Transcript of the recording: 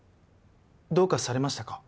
どうかされましたか？